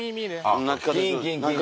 あぁキンキンキン。